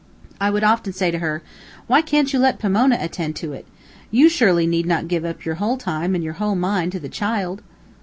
I would often say to her: "Why can't you let Pomona attend to it? You surely need not give up your whole time and your whole mind to the child."